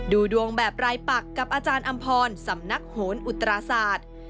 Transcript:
ดูดวงแบบรายปักกับอาจารย์อำพรสำนักโหนอุตราศาสตร์